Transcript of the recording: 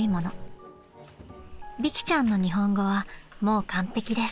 ［美熹ちゃんの日本語はもう完璧です］